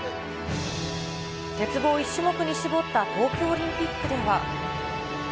鉄棒１種目に絞った東京オリンピックでは。